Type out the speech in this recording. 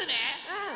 うん！